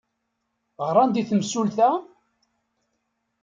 Ɣran-d i temsulta?